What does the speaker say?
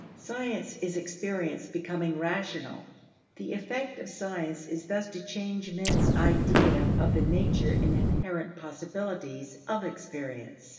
Science is experience becoming rational. The effect of science is thus to change men's idea of the nature and inherent possibilities of experience.